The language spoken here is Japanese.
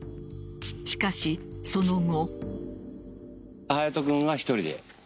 しかし、その後。